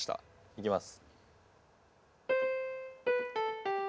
いきます。